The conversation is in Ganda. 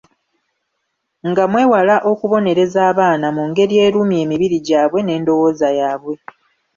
Nga mwewala okubonereza abaana mu ngeri erumya emibiri gyabwe n'endowooza yabwe.